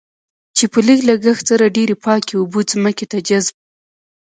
چې په لږ لګښت سره ډېرې پاکې اوبه ځمکې ته جذب.